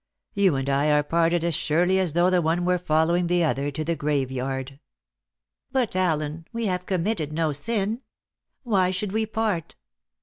You and I are parted as surely as though the one were following the other to the graveyard." "But, Allen, we have committed no sin. Why should we part?"